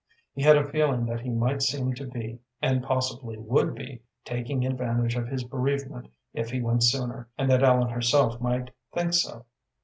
He had a feeling that he might seem to be, and possibly would be, taking advantage of his bereavement if he went sooner, and that Ellen herself might think so.